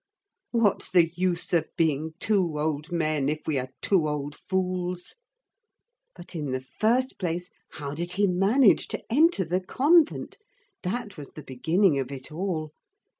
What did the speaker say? What's the use of being two old men, if we are two old fools! But, in the first place, how did he manage to enter the convent? That was the beginning of it all.